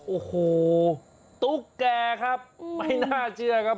โอ้โหตุ๊กแก่ครับไม่น่าเชื่อครับ